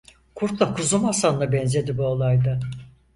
Kurtla Kuzu masalına benzedi bu olay da....